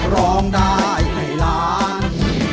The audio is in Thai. ร้องได้ให้ล้าน